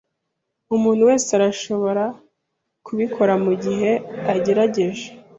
Umuntu wese arashobora kubikora mugihe agerageje.